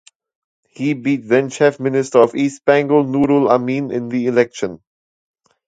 He beat then Chief Minister of East Bengal Nurul Amin in the election.